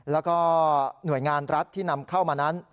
แล้วก็หน่วยงานรัฐที่นำเข้ามานั้น